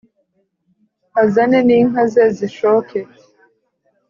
azane n’ inka ze zishoke.